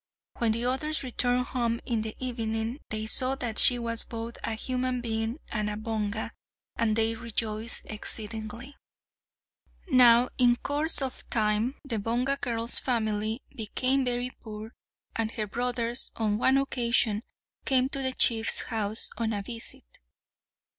When the others returned home in the evening, they saw that she was both a human being and a Bonga, and they rejoiced exceedingly. Now in course of time the Bonga girl's family became very poor, and her brothers on one occasion came to the chief's house on a visit.